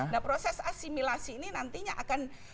dan proses asimilasi ini nantinya akan